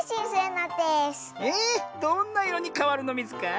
えどんないろにかわるのミズか？